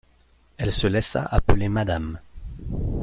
Elle se laissa appeler madame.